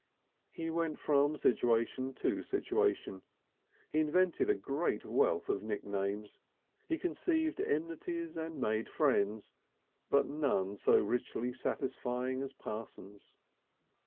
He went from situation to situation, he invented a great wealth of nicknames, he conceived enmities and made friends but none so richly satisfying as Parsons.